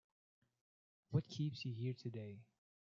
What keeps you here today?